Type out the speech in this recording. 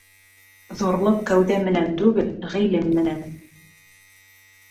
Ҙурлыҡ кәүҙә менән түгел, ғилем менән.